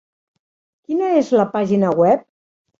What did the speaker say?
Quina és la pàgina web?